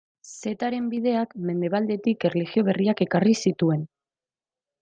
Zetaren Bideak mendebaldetik erlijio berriak ekarri zituen.